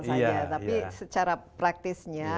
saja tapi secara praktisnya